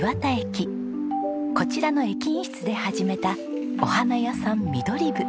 こちらの駅員室で始めたお花屋さんミドリブ。